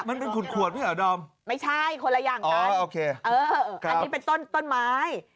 มันเป็นขุนขวดมั้ยหรอดอมไม่ใช่คนละอย่างอันนี้เป็นต้นไม้